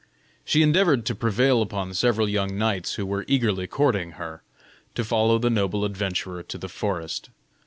She endeavored to prevail upon several young knights, who were eagerly courting her, to follow the noble adventurer to the forest.